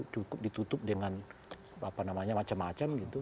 cukup ditutup dengan apa namanya macam macam gitu